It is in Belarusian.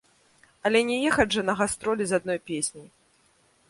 Але не ехаць жа на гастролі з адной песняй.